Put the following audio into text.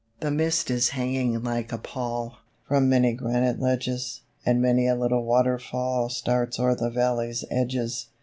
The mist is hanging like a pall From many granite ledges, And many a little waterfall Starts o'er the valley's edges.